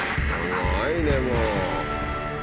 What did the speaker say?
すごいねもう。